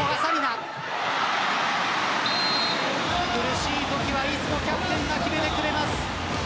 苦しいときはいつもキャプテンが決めてくれます。